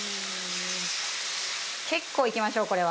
結構いきましょうこれは。